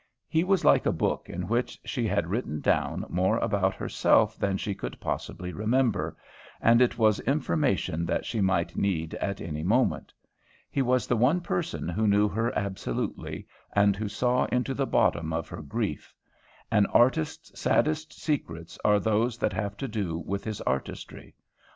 He was like a book in which she had written down more about herself than she could possibly remember and it was information that she might need at any moment. He was the one person who knew her absolutely and who saw into the bottom of her grief. An artist's saddest secrets are those that have to do with his artistry.